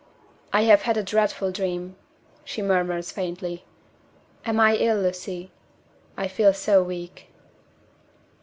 "I have had a dreadful dream," she murmurs faintly. "Am I ill, Lucy? I feel so weak."